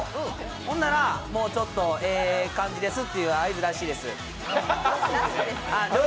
ほんなら、もうちょっと、ええらしいですっていうタイミングです。